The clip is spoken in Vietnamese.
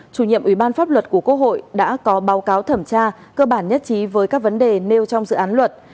chủ nhiệm ủy ban pháp luật của quốc hội đã có báo cáo thẩm tra cơ bản nhất trí với các vấn đề nêu trong dự án luật